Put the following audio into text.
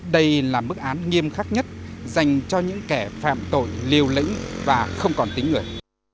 đây là mức án nghiêm khắc nhất dành cho những kẻ phạm tội liều lĩnh và không còn tính người